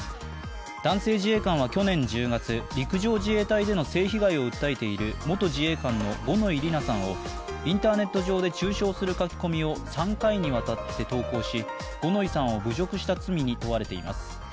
男性自衛官は去年１０月、陸上自衛隊での性被害を訴えている元自衛官の五ノ井里奈さんをインターネット上で中傷する書き込みを３回にわたって投稿し、五ノ井さんを侮辱した罪に問われています。